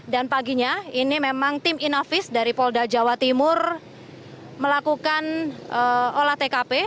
dan paginya ini memang tim inovis dari kapolda jawa timur melakukan olah tkp